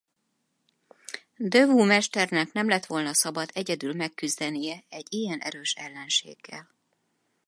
De Wu mesternek nem lett volna szabad egyedül megküzdenie egy ilyen erős ellenséggel.